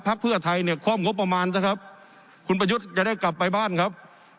เพื่อไทยเนี่ยคล่อมงบประมาณนะครับคุณประยุทธ์จะได้กลับไปบ้านครับ